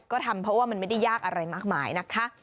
ก็ทำเพราะว่ามันไม่ได้ยากอะไรมากมายนะคะ